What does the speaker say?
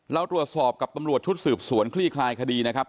เราตรวจสอบกับตำรวจชุดสืบสวนคลี่คลายคดีนะครับ